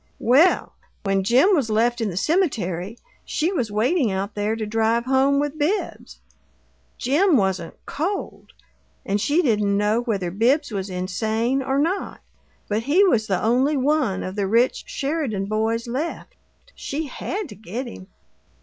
Well when Jim was left in the cemetery she was waiting out there to drive home with Bibbs! Jim wasn't COLD and she didn't know whether Bibbs was insane or not, but he was the only one of the rich Sheridan boys left. She had to get him."